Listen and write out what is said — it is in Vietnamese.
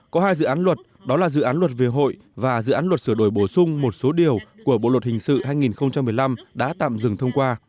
có hai dự án luật đó là dự án luật về hội và dự án luật sửa đổi bổ sung một số điều của bộ luật hình sự hai nghìn một mươi năm đã tạm dừng thông qua